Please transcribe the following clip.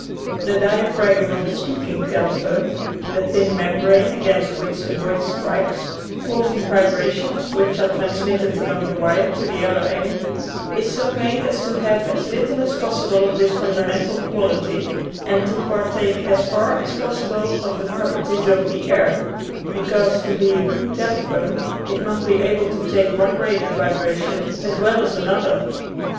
The diaphragm of a speaking telephone — the thin membrane against which the voice strikes, causing vibrations which are trans mitted along the wire to the other end — is so made as to have as little as possible of this fundamental quality, and to partake as far as possible of the properties of the air; because to be a good telephone it must be able to take one rate of vibration as well as another.